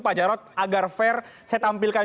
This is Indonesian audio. pak jarod agar fair saya tampilkan